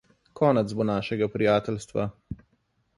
Konec bo našega prijateljstva.